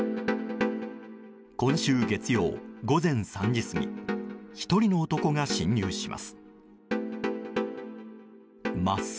今週月曜午前３時過ぎ１人の男が侵入します。